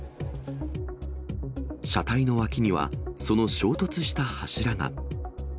車体の脇には、その衝突した柱が。